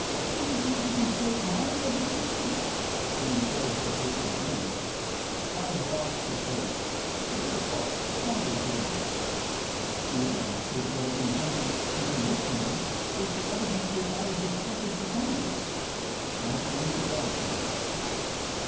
Do you think you can shake my resolution?" He referred to the paper again. "I have lost the place. It's your fault find it for me." The evidence which was intended to convict me was the evidence which I was expected to find! I pointed it out to him.